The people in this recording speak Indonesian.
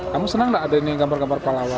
kamu senang gak ada ini gambar gambar pahlawan